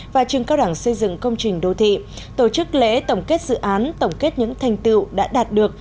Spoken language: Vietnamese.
và trường cao đẳng xây dựng công trình đô thị tổ chức lễ tổng kết dự án tổng kết những thành tựu đã đạt được